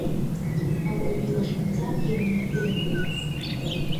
Ауаҩы илахьынҵа иара инапы иакуп.